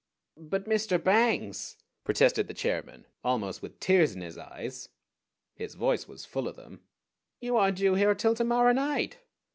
"But, Mr. Bangs," protested the chairman, almost with tears in his eyes his voice was full of them "you aren't due here until to morrow night."